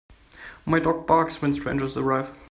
My dog barks when strangers arrive.